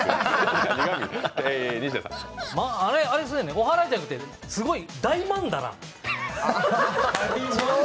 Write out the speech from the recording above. おはらいじゃなくて、すごい大曼陀羅。